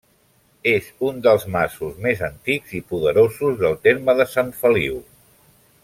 És un dels masos més antics i poderosos del terme de Sant Feliu.